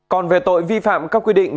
còn về tội vi phạm các quy định